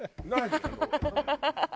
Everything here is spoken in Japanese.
ハハハハ！